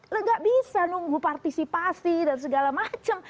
tidak bisa menunggu partisipasi dan segala macam